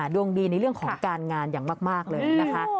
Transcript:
ดวงดีในเรื่องของการงานอย่างมากเลยนะคะ